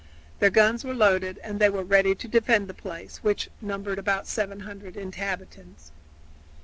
Their guns were loaded and they were ready to defend the place, which numbered about 700 inhabitants.